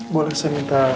boleh saya minta